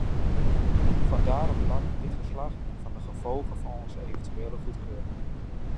Vandaar het belang van dit verslag en van de gevolgen van onze eventuele goedkeuring.